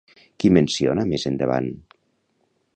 Qui menciona més endavant?